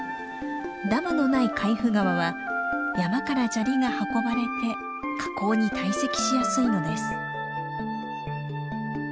ダムのない海部川は山から砂利が運ばれて河口に堆積しやすいのです。